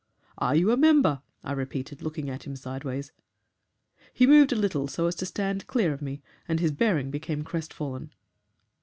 'Are you a member?' I repeated, looking at him sideways. "He moved a little so as to stand clear of me, and his bearing became crestfallen.